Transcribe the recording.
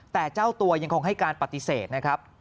แต่เจ้าตัวยังคงให้การปฏิเสธนะครับ